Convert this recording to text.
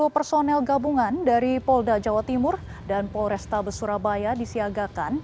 satu ratus lima puluh personel gabungan dari polda jawa timur dan polrestabes surabaya disiagakan